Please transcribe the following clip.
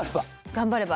頑張れば？